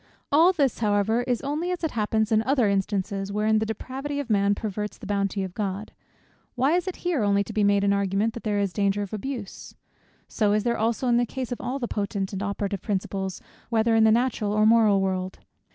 All this, however, is only as it happens in other instances, wherein the depravity of man perverts the bounty of God. Why is it here only to be made an argument, that there is danger of abuse? So is there also in the case of all the potent and operative principles, whether in the natural or moral world.